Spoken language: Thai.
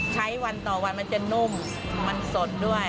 ใช้วันต่อวันมันจะนุ่มมันสดด้วย